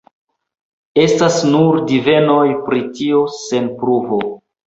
Estas nur divenoj pri tio, sen pruvo.